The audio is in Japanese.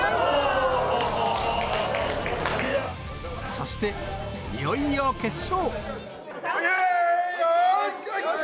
そして、いよいよ決勝。